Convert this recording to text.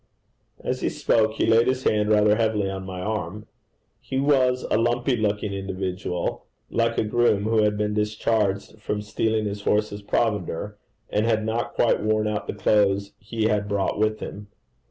As he spoke he laid his hand rather heavily on my arm. He was a lumpy looking individual, like a groom who had been discharged for stealing his horse's provender, and had not quite worn out the clothes he had brought with him.